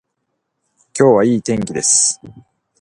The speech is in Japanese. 今日はいい天気です。